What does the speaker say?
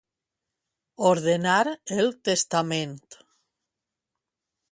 Ordenar el testament.